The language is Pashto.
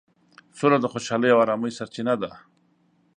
سوله د خوشحالۍ او ارامۍ سرچینه ده.